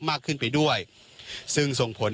มากขึ้นไปด้วยซึ่งส่งผล